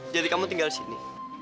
jadi kamu tinggal disini